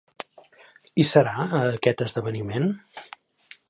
Hi serà a aquest esdeveniment?